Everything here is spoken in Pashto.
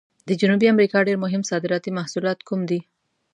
د جنوبي امریکا ډېر مهم صادراتي محصولات کوم دي؟